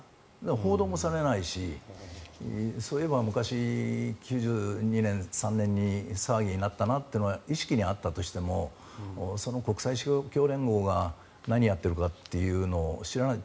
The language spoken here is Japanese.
報道もされないしそういえば、昔９２年、９３年に騒ぎになったなと意識にあったとしてもその国際勝共連合が何やっているかというのを知らない。